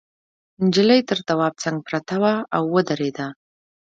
نجلۍ تر تواب څنگ پرته وه او ودرېده.